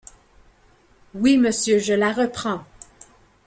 Oui, monsieur, je la reprends.